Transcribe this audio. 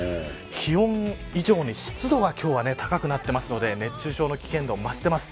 気温以上に湿度が今日は高くなっていますので熱中症の危険度、増しています。